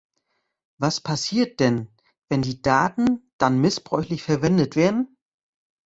Was passiert denn, wenn die Daten dann missbräuchlich verwendet werden?